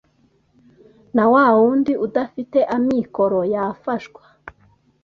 na wawundi udafite amikoro yafashwa